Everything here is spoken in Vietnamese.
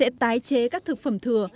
rùi đen sẽ tái chế các thực phẩm thừa